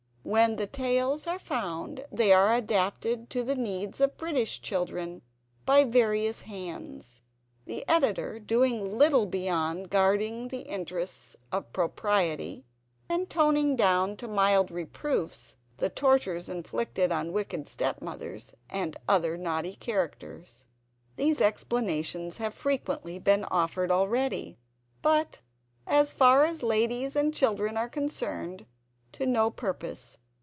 When the tales are found they are adapted to the needs of British children by various hands, the Editor doing little beyond guarding the interests of propriety, and toning down to mild reproofs the tortures inflicted on wicked stepmothers, and other naughty characters. These explanations have frequently been offered already; but, as far as ladies and children are concerned, to no purpose.